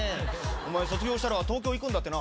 お前卒業したら東京行くんだってな。